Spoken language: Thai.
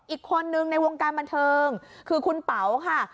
อีกคนนึงในวงการบันเทิงคือคุณเป๋าค่ะ